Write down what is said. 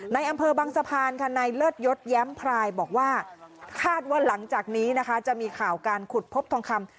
ในอำเภอบางสะพานค่ะในเลิศยศแย้มพรายบอกว่าคาดว่าหลังจากนี้นะคะจะมีข่าวการขุดพบทองคำ